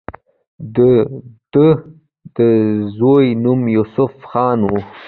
د دۀ د زوي نوم يوسف خان وۀ